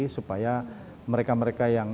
supaya mereka mereka yang